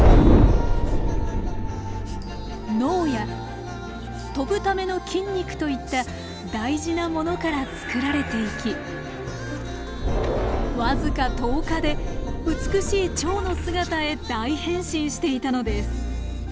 脳や飛ぶための筋肉といった大事なものから作られていき僅か１０日で美しいチョウの姿へ大変身していたのです。